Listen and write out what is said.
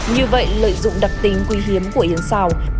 như vậy lợi dụng đặc tính quý hiếm của yến xào